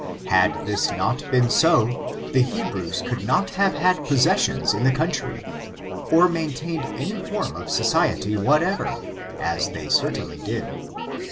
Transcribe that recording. Had this not been so^ the Hebrews could not have had possessions in the country, or maintained any form of society whatever, as they certainly did.